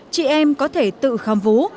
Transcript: chị em có thể tự khám vú